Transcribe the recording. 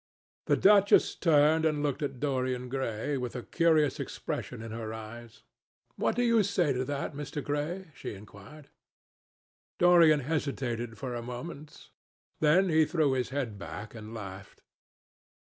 The duchess turned and looked at Dorian Gray with a curious expression in her eyes. "What do you say to that, Mr. Gray?" she inquired. Dorian hesitated for a moment. Then he threw his head back and laughed.